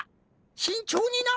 しんちょうにな。